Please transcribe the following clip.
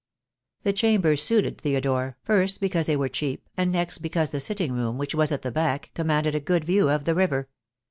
The chambers suited Theodore, first because they were cheap, and next because the sitting room, which was at the back, commanded a good view of the river.